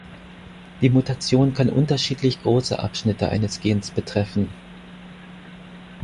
Die Mutation kann unterschiedlich große Abschnitte eines Gens betreffen.